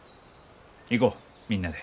行こうみんなで。